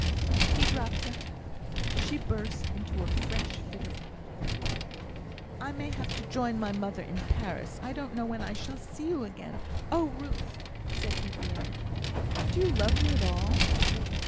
He dropped her hand. She burst into a fresh fit of crying. "I may have to join my mother in Paris; I don't know when I shall see you again. Oh, Ruth!" said he, vehemently, "do you love me at all?"